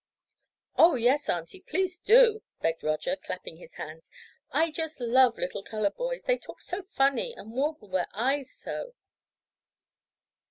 "Oh, yes, Aunty, please do," begged Roger, clapping his hands. "I just love little colored boys. They talk so funny and warble their eyes so."